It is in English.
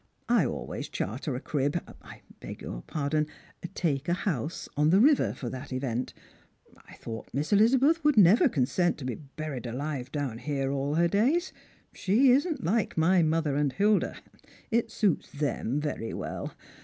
" I always charter a crib— I beg your Sardou — take a house on the river for that event. I thought [is3 EHzabeth would never consent to be buried alive down here all her days. She isn't like my mother and Hilda. It suits them very well.